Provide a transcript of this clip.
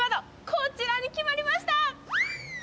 こちらに決まりました。